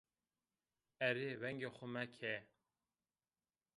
Erê, vengê xo meke!